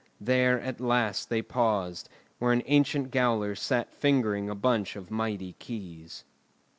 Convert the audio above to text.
There at last they paused, where an ancient gaoler sat fingering a bunch of mighty keys.